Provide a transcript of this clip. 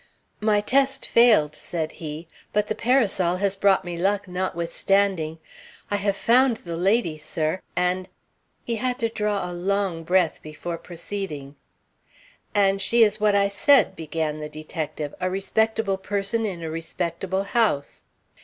"My test failed," said he, "but the parasol has brought me luck, notwithstanding. I have found the lady, sir, and " He had to draw a long breath before proceeding. "And she is what I said," began the detective; "a respectable person in a respectable house."